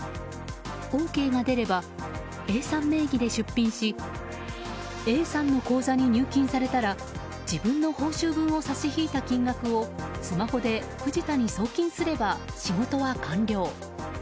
ＯＫが出ればＡさん名義で出品しＡさんの口座に入金されたら自分の報酬分を差し引いた金額をスマホで藤田に送金すれば仕事は完了。